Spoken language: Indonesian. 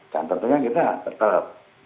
dan tentunya kita tetap